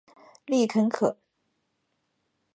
丽肯可